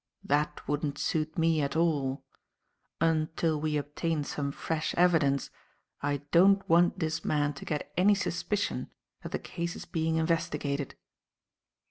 That wouldn't suit me at all. Until we obtain some fresh evidence, I don't want this man to get any suspicion that the case is being investigated.